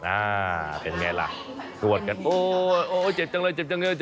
อาเป็นไงล่ะนวดกันโอ้ยโอ๊ยโอ๊ยเจ็บจังเลย